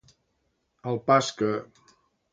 Al pas que.